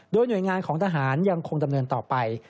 โดยหน่วยงานของทหารยังคงดำเนินต่อไป